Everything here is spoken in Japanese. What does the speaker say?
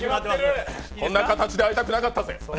こんな形で会いたくなかったぜ。